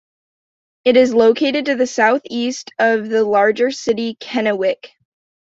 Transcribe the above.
It is located to the southeast of the larger city of Kennewick.